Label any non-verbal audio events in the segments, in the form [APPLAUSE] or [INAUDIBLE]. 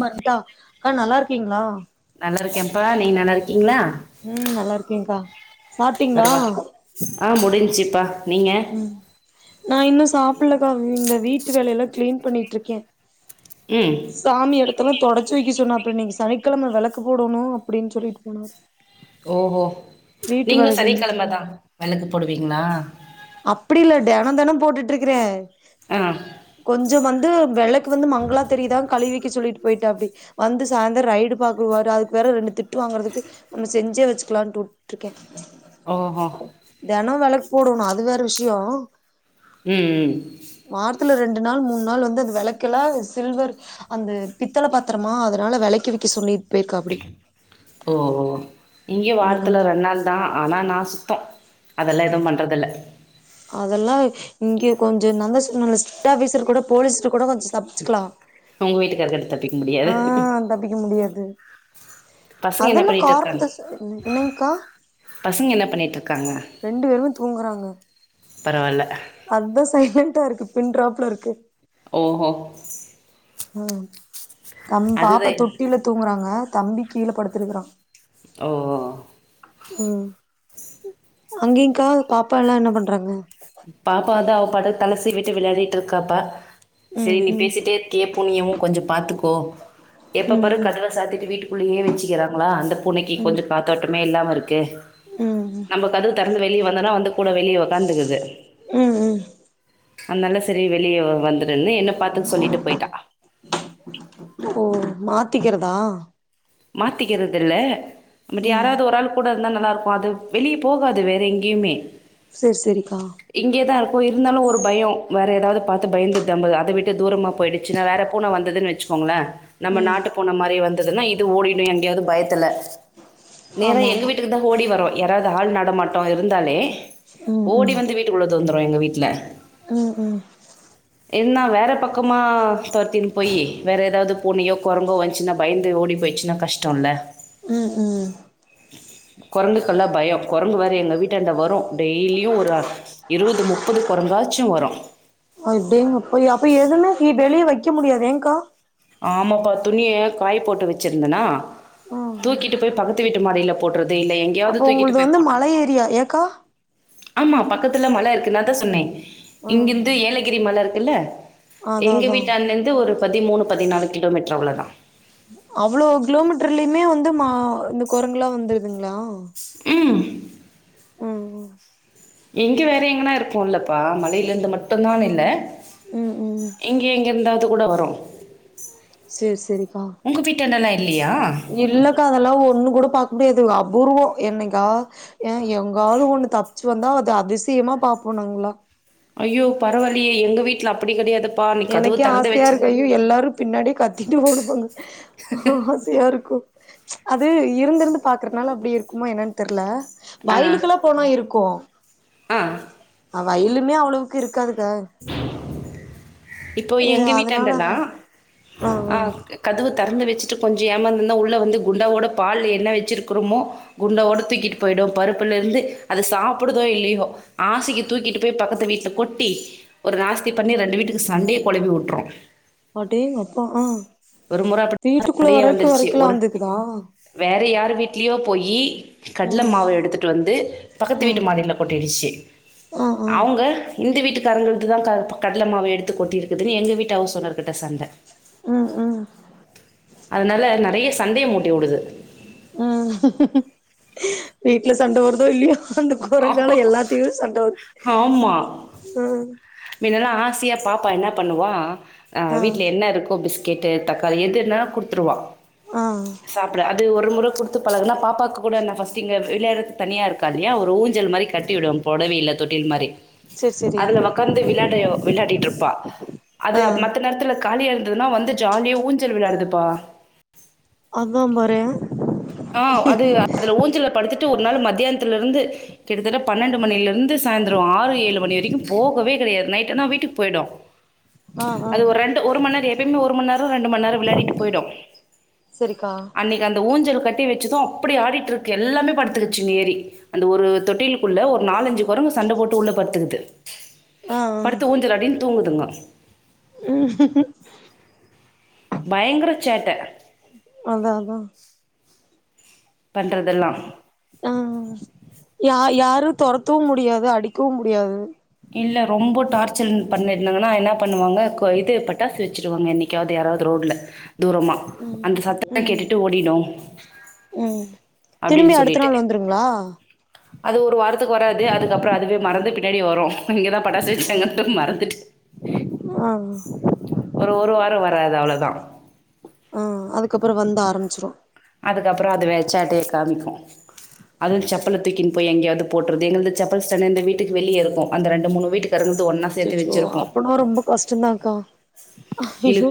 மட்டா ஆ நல்லா இருக்கீங்ளா கீங்ளா உம் நல்லா இருக்கேன்கா பருவா ஆ முடிஞ்சு ப்ப உம் நான் இன்னு சாப் இப்பில்லக்கா இந்த வீட்டு வேலயெல்லா கிளீன் பண்ணிட்ருக்கே ம் சாமி எடுத் ல்லா தொடச்சு வெக்க சொன்னாப்ல நீங்க சனிக்கெழம வெளக்கு போடணு அப்டீன் சொல்லிட்டு போனாரு ஓஹோ வீட்டு நீங்ளு வேல செஞ்சுட்டு சனிக்கெழமதா இருக்கே வெளக்கு போடுவீங்ளா அப்படி இல்ல தெனம் தெனம் போட்டுட்டு இருக்கறேன் ஆங் இங்க வந்து வெளக் இங்க வந்து மங்களா தெரியுதா கழுவி ஓக்கே சொல்லிட்டு போய்டாப்டி வந்து சாய்ந்தரம் ரைடு பாக்குவாரு அதுக்கு வேற ரெண்டு திட்டு வாங்கறதுக்கு நம்ம செஞ்சே வச்சுக்கலாம்னுட்டு வுட்ருக்கேன் ஓஹோ போடணும் அது அது வேற விஷ்யோம் ம் ம் வாரத்துல ரெண்டு ரெண்டு நாள் மூணு நாள் வந்து அது வெளக்கெல்லா சில்வர் அந்த பித்தள பாத்தரமா அதனால வெளக்கி வைக்க சொல்லி ஓஹோ இங்கே அது வாரத்துல ரெண்டு நாள் தான் ஆனா நான் சுத்தம் அதெல்லாம் எதும் பண்றது இல்ல அதெல்லாம் இங்க கொஞ்சம் நான் தான் சொன்னேன்ல ஸ்ரிட் ஆபிசர் கூட போலீஸ் கூட கொஞ்சம் தப்பிச்சக்கலாம் உங்கள் வீட்டுக்காரர்கிட்ட இருந்து தப்பிக்க முடியாது ஆஹ் தப்பிக்க முடியாது பசங்க என்ன அதெல்லாம் பண்ணிட்டு இருக்காங்க காரணத்தை சொல்லி என்னங்க்கா பசங்க என்ன பண்ணிட்டு இருக்காங்க ரெண்டு பேருமே தூங்குறாங்க பரவாயில்ல [UNINTELLIGIBLE] அந்த சைடுல [UNINTELLIGIBLE] இருக்கு பின் ட்ராப்ல இருக்கு ஓஹோ ம் தம் பாப்பா அதுதான் தொட்டில தூங்குறாங்க தம்பி கீழ படுத்திருக்குறான் ஓ ஓ உம் அங்கேங்க்கா பாப்பால்லாம் என்ன பண்றாங்க பாப்பா தான் அவ பாட்டுக்கு தலை சீவிட்டு விளையாடிட்டு இருக்காப்பா செரி ம் நீ ம் பேசிட்டே இருக்கியே பூனையவு கொஞ்சம் பாத்துக்கோ எப்ப ம் பாரு ம் கதவ சாத்திட்டு வீட்டுக்கு உள்ளையே வச்சுக்கிறாங்களா அந்த பூனைக்கி ம் கொஞ்ச காத்தோட்டமே இல்லாம ருக்கு ம் ம் நம்ம கதவு தொறந்து வெளிய வந்தோம்னா வந்து கூட வெளிய உக்காந்துக்குது உம் உம் அந்தாண்ட செரி வெளியே வந்து ந்து என்ன பாத்துக்க சொல்லிட்டு போயிட்டா ஓ மாத்திக்கிறதா மாத்திக்கிறது இல்ல பட் ம் யாராவது ஒரு ஆள் கூட ந்தா நல்லாருக்கும் அது வெளிய போகாது வேற எங்கியுமே சேர் செரிக்கா போ இருந்தாலும் ஒரு பயம் வேற ஏதாவது பாத்து பயந்து தம்பது அத விட்டு தூரமா போய்டுச்சுனா வேற பூன வந்துதுன் வெச்சுக்கோங்களேன் நம்ம ம் நாட்டு பூன மாரி வந் இதெல்லா எ [UNINTELLIGIBLE] யவரு பயப்பல்ல நேரா ஆமா எங்க ஆமா வீட்டுக்கு தா ஓடி வருவ யாராவ்து ஆள் நடமாட்டோ இருந்தாலே ம் ஓடி ம் வந்து வீட்டுக்குள்ள [UNINTELLIGIBLE] அவுங்க வீட்ல ம் ம் என்னா வேற பக்கமா தொரத்தின் போய் வேற ஏதாவது பூனியோ கொரங்கோ வந்ச்சின்னா பயந்து ஓடி போய் ஸ்னா கஷ்டொல்ல ம் ம் கொரங்குக்கெல்லா பயோ கொரங்கு வேற எங்க வீட்டான்ட வரு டெய்லியு ஒரு அ இருவ்வது முப்பது கொரங்காச்சு வரு அடேங்கப் [INAUDIBLE] அப்ப எதுமே இ வெளிய வைக் க்க முடியாது ஏங்கா ஆமாப்பா துணிய காய் போட்டு வச்சிருந்தனா ம் ம் தூக்கிட்டு போய் பக்கத்து வீட்டு மாடில போட்ரு அப்போ உங்குள்து வந்து மல ஏரியா ஏக்கா ஆமா பக்கத்துல மல இருக்குன்னு தா சொன்னே இங்கிர்ந்து ம் ஏலகிரி மலர்க் இல்ல அதா எங்க அதா வீட்டான்டேந்து ஒரு பதிமூணு பதினாலு கிலோமீட்ர் அவ்ளோதா இத்லிமே வந்து மா ந்த கொரங்குலா வந்ருதுங்க ம் ம் இங்க வேற எங்கனா இருப்போல்லப்பா மலயிலேருந்து மட்டுந்தான்னு இல்ல ம் ம் ம் இங்கே எங்கேர்ந்தாவு துக் கூட வரு சேர் செரிப்பா வீட்டாண்டெல்லாம் இல்லையா இல்லக்கா அதல்லா ஒண்ணு கூட பாக் [UNINTELLIGIBLE] அபூர்வோ என்னைக்கா ஏன் எங்காவது ஒண்ணு தப்ச்சு வந்தா அது அதிசியமா பாப்போனாங்ளா ஐயோ பரவால்லியே எங்க வீட் ல்ல அப்புடி கெடையாது எனக்கே ஆசையாருக்கு ஐயோ எல்லாரு பின்னாடே கத்திட்டு ஓடுவாங்க ஆசையாருக்கு அது இருந்திருந்து பாக்றத்னால அப்டி இருக்குமோ என்னான் தெர்ல ஆ வயிலுக்கல்லா போனா இருக்கோ ஆ அ வயலுமே அவ்ளோவுக்கு இருக் க்காதுக்க இப்போ எங்க வீட்டான்ட தா ஆ அ ஆ கதவுத் தறந்து வச்சுட்டு கொஞ்சோ ஏமாந்துந்தா உள்ள வந்து குண்டாவோட பால் என்ன வச்சிருக்கிறோமோ குண்டாவோட தூக்கிட்டு போயிடோ பருப்புல இருந்து அத சாப்பிடுதோ இல்லியோ ஆசிக்கு தூக்கிட்டு போய் பக்கத்து வீட்ல கொட்டி ஒரு நாஸ்தி பண்ணி ரெண்டு வீட்டுக்கு சண்டே கொழபி வுட்ரு அடோங்கப்பா அ முற அப்டி வீட்டுக்குள்ள சண்டையே வரைக்கு வரைக்கல்லா வந்துக்குதா ந்த வீட்லயோ போய்யி கடல ம் மாவ எடுத்திட்டு வந்து பக்கத்து வீட்டு ம் மாடில கொட்டிடுச்சி ஆ ஆ அவுங்க இந்த வீட்டுக்காரங்களுக் இது தா கல்பக் கடல மாவ எடுத்து கொட்டிருக்குதுன்னு எங்க வீட்டு ஹவுஸ் ஓனர் கிட்ட சண்ட ம்ம் அதனால நெறைய சண்டைய முட்டி வுடுது ம் வீட்ல சண்ட வருதோ இல்லியோ அந்த கோரங்கால எல்லாத்தியு சண்டவற்து அ மின்னெல்லா ஆசியா பாப்பா என்ன பண்ணுவா அ ஆ வீட்ல என்ன இருக்கோ பிஸ் கேட்டு தக்காளி எதுன்னா குடுத்துருவா ஆ சாப்பிட அது ஒரு முற குடுத் த்து பலகுனா பாப்பாக்கு கூட நா ஃபர்ஸ்ட் இங்க விளையாடுறதுக்கு தனியா இருக்காலியா ஒரு ஊஞ் மஞ்சள் மாரி கட்டிவிடுவே போடவியில தொட்டில் மாரி சேர் சேரி அதுல ஒக் வந்து விளாடயோ விளாடிட்ருப்பா அது ஆ அ மத்த நேரத்துல காலியா இருந்ததுன்னா வந்து ஜாலியா ஊஞ்சல் விளாடுதுப்பா அதா பாரே அ அது அதுல ஊஞ்சல்ல படுத்துட்டு ஒரு நாள் மத்தியானத் திலிருந்து கிட்டத்தட்ட பன்னெண்டு மணில இருந்து சாயந்ரோ ஆறு ஏழு மணி வரைக்கு போகவே கெடயாது நைட்னா வீட்டுக்கு போயிடு ம்ச் ஆ ஆ அது ஒரு ரெண்டு ஒரு மணி நேரோ எப்புமே ஒரு மணி நேரோ ரெண்டு மணி நேரோ விளையாட்டு போயுடு சரிக்கா அன்னிக்கு அந்த ஊஞ்சல் கட் கட்டி வச்சது அப்டி ஆடிட்ருக்கு எல்லாமே படுத்துக்கிச்சு நேரி அந்த ஒரு தொட்டிலுக்குள்ள ஒரு நாலஞ்சு குரங்கு சண்ட போட்டு உள்ள படுத்துக்குது ஆ ஆ படுத்து ஊஞ்சலாடின் தூங்குதுங்க ம் பயங்கர சேட்ட அதா அதா பண்றதெல்லா ஆ யா யாரு தொரத்தவு முடியாது அடிக்கவு முடியாது இல்ல ரொம்பொ டார்ச்சல் பண்ணிருந்தாங்கனா என்ன பண்ணுவாங்க கோ இது பட்டாசு வச்சுருவாங்க என்னைக்காவ்து யாராவ்து ரோட்ல தூரமா ம் அந்த சத்த ம் கேட்டுட்டு ஓடினு ம் திரும்பி அப்டின் அடுத்த சொல்லிட்டு நாள் வந்துருங்களா அது ஒரு வாரத்துக் வராது அதுக்கப்றோ அதுவே மறந்து பின்னாடி வரு இங்கதா பட்டாசு ம் வச்ட்டாங்கன்ட்டுஇறந்து ஆ ஒரு ஒரு வாரோ வராது அவ்ளதா சுரு அதுக்கப்புறோ அப்டி ஆய்ட்சா அது ஒரு காமிடிமா அதூ செப்பல தூக்கின் போய் எங்யாவ்து போட்ரு ரெண்டு செப்பல் ஸ்டாண்டு எங்க வீட்டுக்கு வெளிய இருக்கு அந்த ரெண்டு மூணு வீட்டுக் அச்சச்சோ அப்புனா ரொம்ப கஷ்டந்தான்க்கா ஐயோ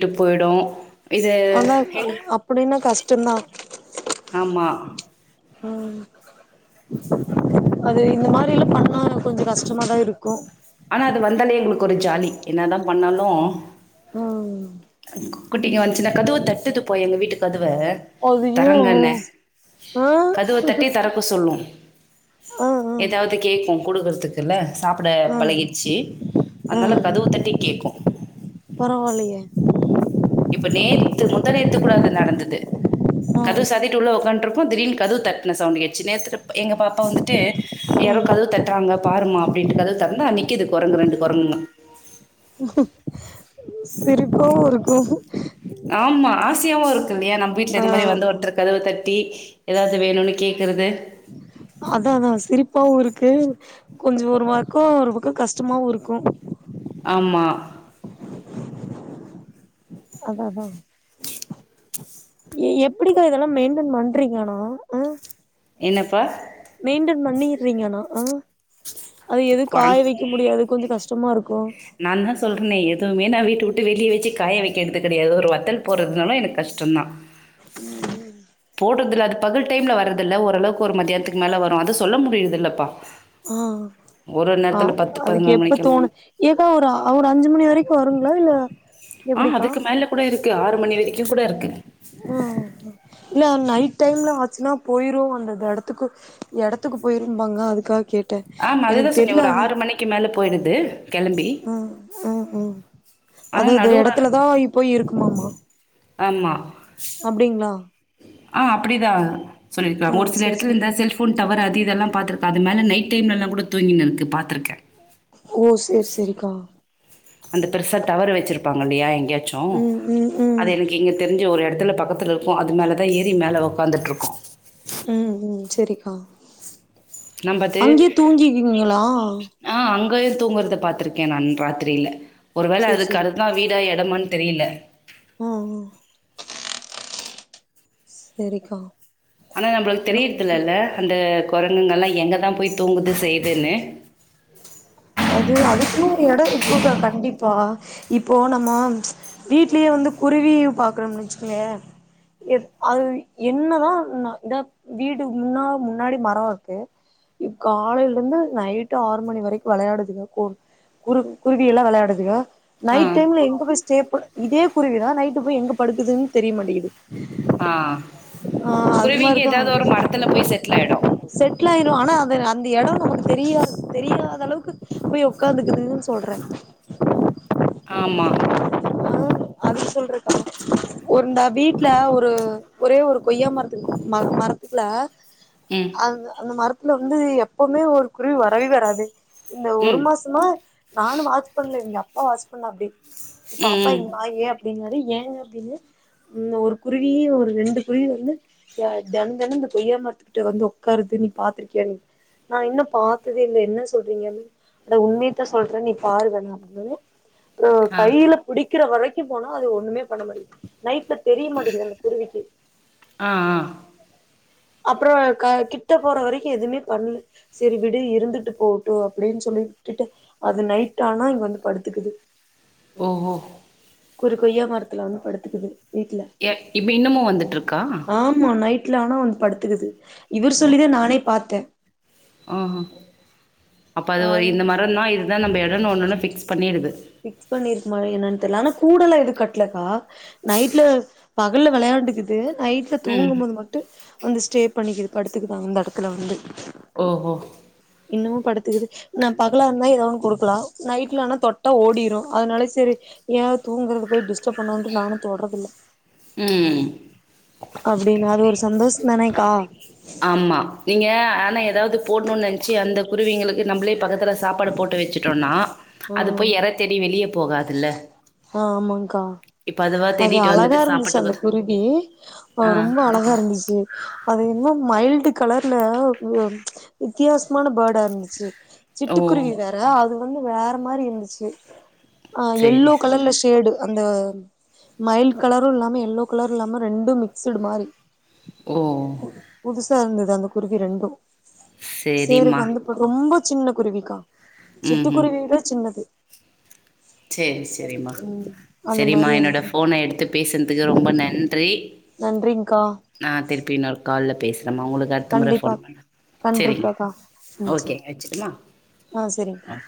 ட்டு போய்டு இது ஏங் அப்புடினா கஷ்டந்தா ஆமா ம் அது இந்த மாரில பண்ணா கொஞ்ச கஷ்டமாதா இருக்கு ஆனா அது வந்தாலே எங்ளுக்கு ஒரு ஜாலி என்னதா பண்ணாலு ம் குட்டிங்க வந்துச்சுனா கதுவ தட்டுது பா எங்க வீட்டு கதுவ அதையு தரங்கன்ன ஆ கதவ தட்டி தரக்கு சொல்லு ஆ ஏதாவ்து ஆ கேக்கு குடுக் இதுக்குல்ல சாப்ட ஆ பழகிட்ச்சு ஆ அதுனால கதவத்தட்டி கேக்கு பரவால்லயே இப்ப நேத்து முந்தா நேத்து கூட அது நடந்தது ஆ கதவு சாதிட்டு உள்ள ஒக்கான் இருக்கு திடீனு கதவு தட்ன சவுண்டு கேட்ச்சு இந்நேர்துக்கு எங்க பாப்பா வந்துட்டு ஆ யாரோ கதவு தட்றாங்க பாருமா அப்டின்ட்டு கதவு தரந்தா நிக்குது கொரங்கு ரெண்டு கொரங் [INAUDIBLE] சிரிப்பாவு இருக்கு ஆமா ஆசையாவு இருக் இல்லையா நம் வீட்ல ஆ இந்த மாதிரி வந்தொருத்தர் கதவு தட் டி ஏதாவது வேணும்னு கேட் அதாதா சிரிப்பாவு இருக் கு கொஞ்சொ ஒரு பக்கோ ஒரு பக்க கஷ்டமாவு இருக்கு அம்மா அதா அதா [INAUDIBLE] எப்டீக்கா இதெல்லா மெயின்டன் பண்றீங்கனா அஹ் என்னப்பா மெயின்டென் பண்ணீறீங்கானா அது எது காய வைக்க முடியாது கொஞ்ச கஷ் சும்மா நாந்தா சொல்றனே எதுவுமே நா வீட்டவ்ட் ட்டு வெளிய வெச்சு காய வைக்க எடுக்க கெடையாது ஒரு வத்தல் போட்றதுனாலு எனக் கஷ்டந்தா உம் போடுறதுல்ல அது பகல் டைம்ல வற்றதில்ல ஓரளவுக்கு ஒரு மத்தியானத்துக்கு மேல வரு அத சொல்ல முடியறதுல்லப்பா ஆஹ் ஆஹ் அதுக்கு பதினோரு எப்ப மணிக்கெல்லா தோணு ஏக்கா ஒரு அவரு அஞ்சு மணி வரைக்கு வருங்களா இல்ல ஆஹ் அதுக்கு மேல கூட [UNINTELLIGIBLE] க்கு ஆறு மணி வரைக்கு கூட இருக்கு ஹ இல்ல நைட் டைம்ல சுனா போயிரு அந்தெடத்துக்கு எடத்துக்கு போயிரும்பாங்க அதுக்கா கே ஆமா அததா சொன்னே ஒரு ஆறு மணிக்கு மேல போயிருது கெளம்பி ஆ ஆ ஆ ஆனா அது அது நடுரா எடத்துலதா போய் இருக்குமாமா ஆமா அப்டிங்களா ஆஹ் அப்டிதா ஆ சொல்லிருக்காங்க ஒரு சில சேரி எடத்துல சேரி இருந்த செல்போன் டவர் அதிது இதெல்லா பாத்துருக்க அது மேல நைட் டைம்லலாங்கூட தூங்கினுருக்கு பாத்துருக்கே ஓ சேரி சேரிக்கா அந்த பெருசா டவர் வெச்சுருப்பாங்கல்லயா எங் யாச்சு ம் ம் ம் அது எனக்கு இங்க தெரிஞ்ச ஒரு எடத் இதுல பக்கத்துல இருக்கு அது மேலதா ஏரி மேல ஒக்காந்துட்டுருக்கு உம் உம் செரிக்கா நம்ப அது அங்கயே தூங்கிக்கீங்களா கையில தூங்கறத பாத்திருக்கே நா ராத்திரில ஒரு வேள சேரி அதுக்கு அதுதா வீடா எ மானு தெரியல உஹ்ம் சரிக்கா ஆனா நம்மளுக்கு தெரியறதுலல்ல அந்த கொர ங்கல்லா எங்கதா போய் தூங்குது செய்துன்னு அது அதுக்குன்னு ஒரு இடம் இருக்குக்கா கண்டிப்பா இப்போ நம்ம வீட்லயே வந்து குருவி பாக்குறோம் வச்சுக்கங்களே அது என்னதான் இதா வீடு முன்னா முன்னாடி மரம் இருக்கு காலைல இருந்து நைட் எட்டு ஆறு மணி வரைக்கும் வெளாடுதுங்க குரு குருவி எல்லாம் வெளாடுதுக ஆ, நைட் டைம்ல எங்க போய் ஸ்டேப் இதே குருவிதான் நைட்டு போய் எங்க படுக்குதுன் தெரியமாட்டேகுது ஆ. ஆஹ் அது குருவிங்க மாதிரிதான் ஏதாவது ஒரு மரத்துல போய் செட்டில் ஆயிடும். செட்டில் ஆயிரும் ஆனா அது அந்த இடம் நமக்கு தெரியாது தெரியாத அளவுக்கு போய் உக்காந்துக்குதுன்னு சொல்றேன் ஆமா ஆஹ அது சொல்றது ஒரு இந்த வீட்டு்ல ஒரு ஒரே ஒரு கொய்யா மரத்துக்கு ம மரத்துல ம் அது அந்த மர வந்து எப்பவுமே ஒரு குருவி வந் வழி வராது இந்த ஒரு ம் மாசமா நானும் வாட்ச் பண்ணல இங்க அப்பா வாட்ச் உங் அப்டி ம் பாப்பா ம் இங்க வாயேன் அப்படின்ங்க ஏங்க அப்டின்னு ஒரு குருவியு ஒரு ரெண்டு குருவி வந்து தெனந்தென இந்த கொய்யா மரத்துக்கிட்ட வந்து உக்காருது நீ பாத்திருக்கிய நான் இன்னு பாக்ல இல்லை என்ன சொல்றீங்கன்ன அட உண்மயத்தான் சொல்றேன் நீ பாரு வேணா அப்டின்னு ம் ஆ கையில பிடிக்கிற வரை போனா அது ஒன்னுமே பண்ண மாடி நைட்ல தெரிய மாட்டிங்குது அந்த குருவிக்கு ஆ ஆ அப்றம் கிட்ட போற வரைக்கு எதுவுமே பண்ணல சரி விடு இருந்துட்டு போட்டு அப்டின்னு சொல்லிட்டு அது நைட் ஆனா இங்க வந்து படுத்துக்குது ஓ ஓ கூடு கொய்யா மரத்துல வந்து படுத்துக்குது வீட்ல ஏ இப்போ இன்னமு வந்துட் இருக்கா ஆமா நைட்ல ஆனா வந்து படுத்துக்குது இவர் சொல்லிதான் நானே பார்த்தேன் ஆஹா அப்ப அது ஆ ஒரு இந்த மரம் தான் இதுதான் நம்ம இடம் ஒன்னொன்ன பிக்ஸ் பண்ணிடுது பிக்ஸ் பண்ணிருக்குமா என்னனு தெர்ல ஆனா கூடெல்லாம் எது கட்லக்கா நைட்ல பகல்ல வெளாண்டுக்குது நைட்ல ம் தூங்கும்போது மட்டு வந்து ஸ்டே பண்ணிக்கிது படுத்துக்குது அந்த இடத்துல வந்து ஓஹோ இன்னுமும் படுத்துக்குது நான் பகலா இருந்தா ஏதோ ஒன்னு கொடுக்கலாம் நைட்ல ஆனா தொட் ஓடிரும் அதனால சரி ஏா தூங்கறத போய் டிஸ் டிஸ்டப்பன்னுவண்ட்டு நானும் தொட்ரத்துள்ள ம் அப்டினாது ஒருஸ் சந்தோஷ தானேக்கா ஆமா நீங்க ஆனா ஏதாவது போடணும்னு நினச் ஆச்சு அந்த குருவிங்களுக்கு நம்மளே பக்கதுல சாப்பாடு போட்டு வச்சிட்டோனா அது ம் போய் எறத்தேடி வெளியேப் ஆ ஆமாங்கா இப்ப அதுவா அது தேடிட்டு அழகா வந்துட்டு இருந்துச்சு அந்த சாப்புட்டுக்குது குருவி ஹா ஆ ரொம்ப அழகா இருந்துச்சு அது இன்னும் மைல்டு கலர்ல ம் வித்தியாசமான பேர்டா இருந்துச்சு ஓ சிட்டுக்குருகி வேற அதும் வந்து வேற மாரி இருந்துச்சு ஆ சேரி எல்லோ கலர்ல ஷேடு அந்தோ மைல் கலரும் இல்லாம எல்லோ கலரும் இல்லாம ரெண்டும் மிக்ஸ்டு மாரி ஓ [UNINTELLIGIBLE] ருந்தது அந்த குருவி ரெண்டும் சேரு சேரிம்மா வந்து படு ரொம்ப சின்ன குருவிக்கா ம் ம் சிட்டுக்குருவியவிட சின்னது சேரி சேரி மா ம் அந்த சேரிமா மாரி என்னோட இருந்தது போனை எடுத்து பேசுன்துக்கு ரொம்ப நன்றி நன்றிங்க்கா நான் திருப்பி இன்னொரு கால்ல அம்மா உங்களுக்கு அடுத்த முறை கண்டிப்பா போன் பன்ன சரிங்க கண்டிப்பாக்கா ம் சரி ஓகேக வச்சிடுமா ஆ சரிங்க்கா ம்